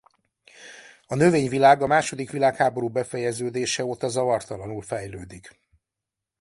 A növényvilág a második világháború befejeződése óta zavartalanul fejlődik.